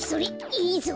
いいぞ。